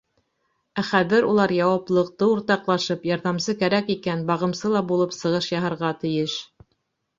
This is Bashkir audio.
Э хәҙер улар яуаплылыҡты уртаҡлашып, ярҙамсы, кәрәк икән бағымсы ла булып сығыш яһарға тейеш.